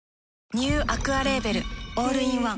ニューアクアレーベルオールインワン